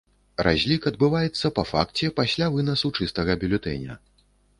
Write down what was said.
Разлік адбываецца па факце, пасля вынасу чыстага бюлетэня.